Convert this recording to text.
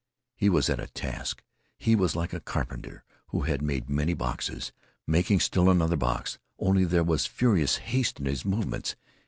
He was at a task. He was like a carpenter who has made many boxes, making still another box, only there was furious haste in his movements.